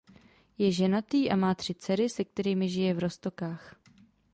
Je ženatý a má tři dcery se kterými žije v Roztokách.